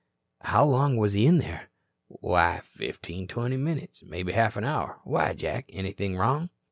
"How long was he in there?" "Why, fifteen, twenty minutes. Maybe half an hour. Why, Jack? Anything wrong?"